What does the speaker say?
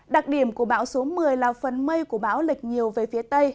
đặc điểm của bão số một mươi là phần mây của bão lịch nhiều về phía tây